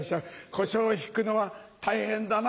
コショウひくのは大変だな。